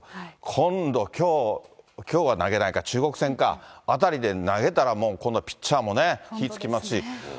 今度、きょう、きょうは投げないか、中国戦か、あたりで投げたら、このピッチャーも火つきますし。